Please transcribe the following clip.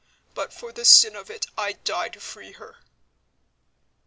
But for the sin of it I'd die to free her."